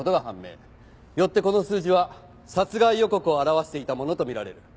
よってこの数字は殺害予告を表していたものとみられる。